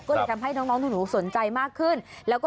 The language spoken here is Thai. ก็เลยทำให้น้องหนูสนใจมากขึ้น